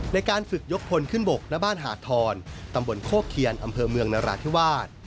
ในการฝึกยกพลขึ้นบกณบ้านหาดทรตำบลโคเคียนอำเภอเมืองนราธิวาส